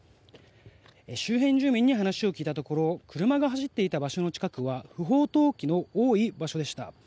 周辺住民に話を聞いたところ車の走っていた場所の近くは不法投棄の多い場所でした。